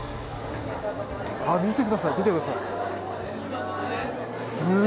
見てください見てください。